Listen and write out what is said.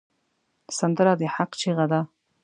سندره د حق چیغه ده